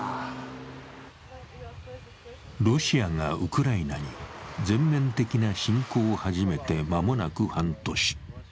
ロシアがウクライナに全面的な侵攻を始めて間もなく半年。